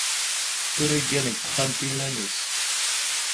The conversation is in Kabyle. Tura iggan deg texxamt iman-is.